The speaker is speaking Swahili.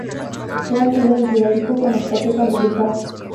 watu wengi walikufa na kupoteza ndugu zao